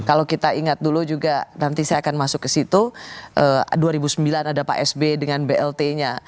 kalau kita ingat dulu juga nanti saya akan masuk ke situ dua ribu sembilan ada pak sb dengan blt nya